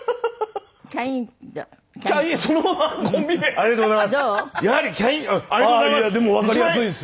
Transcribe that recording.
ありがとうございます。